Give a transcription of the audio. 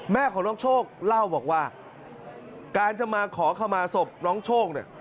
แม่ของน้องโชคเล่าบอกว่าการจะมาขอขมาศพน้องโชคเนี่ย